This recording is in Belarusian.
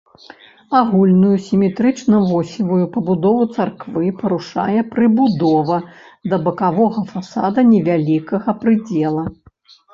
Агульную сіметрычна-восевую пабудову царквы парушае прыбудова да бакавога фасада невялікага прыдзела.